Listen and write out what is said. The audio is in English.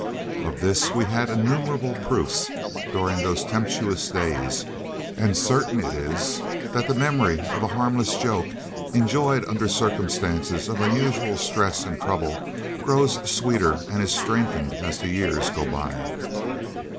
Of this we had innumerable proofs during those tempestuous days, and certain it is that the memory of a harmless joke, enjoyed under circumstances of unusual stress and trouble, grows sweeter and is strengthened as the years go by.